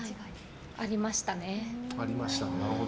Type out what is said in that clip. ありましたね。